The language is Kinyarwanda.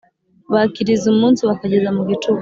Bakiriza umunsi bakageza mu gicuku